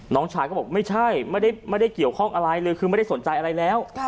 น้องชายก็บอกไม่ใช่ไม่ได้เกี่ยวข้องอะไรเลยคือไม่ได้สนใจอะไรแล้ว